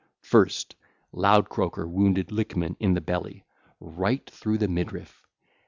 (ll. 202 223) First Loud croaker wounded Lickman in the belly, right through the midriff.